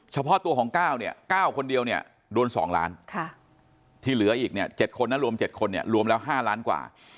เฉพาะตัวของก้าวเนี่ยก้าวคนเดียวเนี่ยโดน๒ล้านทีเหลืออีก๗คนนั้นรวม๗คนรวมแล้ว๕ล้านกว่า